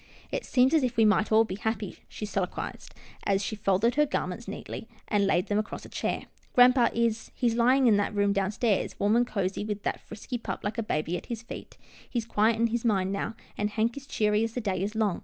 " It seems as if we might all be happy," she solilo quized, as she folded her garments neatly and laid them across a chair. " Grampa is — he's lying in that room downstairs, warm and cosy with that frisky pup like a baby at his feet. He's quiet in his mind now, and Hank is cheery as the day is long.